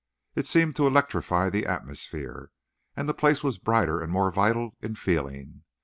It seemed to electrify the atmosphere, and the place was brighter and more vital in feeling.